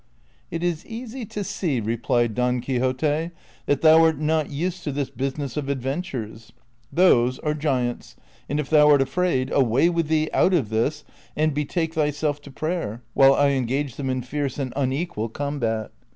" It IS easy to see," replied Don Quixote, " that thou art not used to this business of adventures ; those are giants ; and if tliou art afraid, away with thee out of this and betake thyself to prayer while I engage them in tierce and unequal combat."